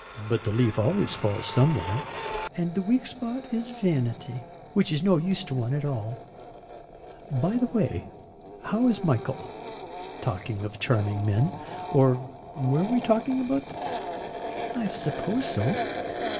"But the leaf always falls somewhere." "And the weak spot is vanity which is no use to one at all." "By the way, how is Michael, talking of charming men. Or, were we talking about them?" "I suppose so."